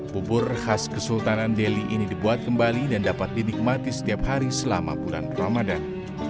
bubur khas kesultanan delhi ini dibuat kembali dan dapat dinikmati setiap hari selama bulan ramadan